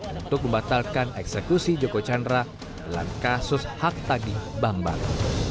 untuk membatalkan eksekusi joko chandra dalam kasus hak tagih bank bali